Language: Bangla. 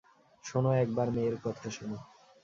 শোনো একবার মেয়ের কথা শোনো!